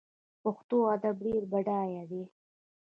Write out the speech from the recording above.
پښتو ادب ډیر بډای دی